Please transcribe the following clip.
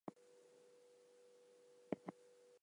The suburb is close to good hospitals and shopping centers.